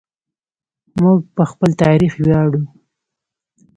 موږ په خپل تاریخ ویاړو.